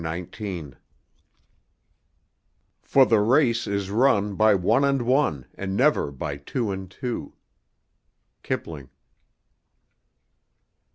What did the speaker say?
XIX For the race is run by one and one and never by two and two. KIPLING.